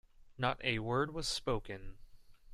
Not a word was spoken.